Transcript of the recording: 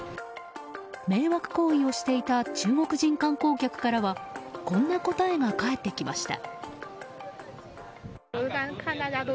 迷惑行為をしていた中国人観光客からはこんな答えが返ってきました。